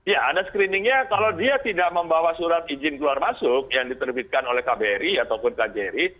ya ada screeningnya kalau dia tidak membawa surat izin keluar masuk yang diterbitkan oleh kbri ataupun kjri